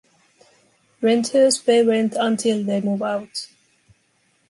Renters pay rent until they move out.